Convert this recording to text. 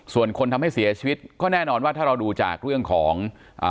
ส่วนคนทำให้เสียชีวิตก็แน่นอนว่าถ้าเราดูจากเรื่องของอ่า